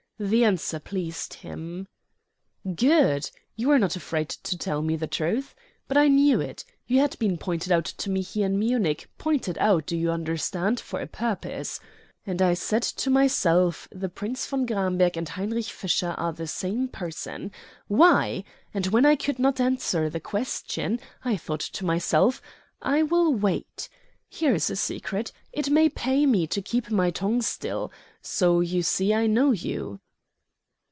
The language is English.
The answer pleased him. "Good. You are not afraid to tell me the truth. But I knew it. You had been pointed out to me here in Munich pointed out, do you understand, for a purpose. And I said to myself, the Prince von Gramberg and Heinrich Fischer are the same person. Why? And when I could not answer the question I thought to myself: I will wait. Here is a secret. It may pay me to keep my tongue still. So you see I know you."